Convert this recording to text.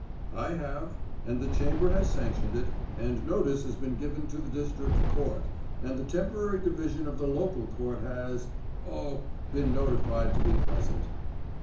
'I have, and the chamber has sanctioned it, and notice has been given to the district court, and the temporary division of the local court has … oh!… been notified to be present.